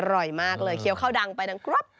อร่อยมากเลยเคี้ยวข้าวดังไปดังกรอบ